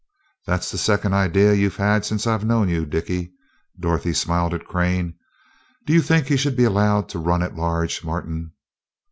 "That's the second idea you've had since I've known you, Dicky," Dorothy smiled at Crane. "Do you think he should be allowed to run at large, Martin?"